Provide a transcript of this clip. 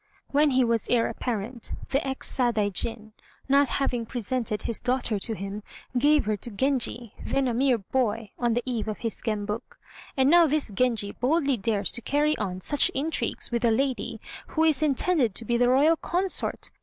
When he was Heir apparent, the ex Sadaijin, not having presented his daughter to him, gave her to Genji, then a mere boy, on the eve of his Gembuk; and now this Genji boldly dares to carry on such intrigues with a lady who is intended to be the Royal consort!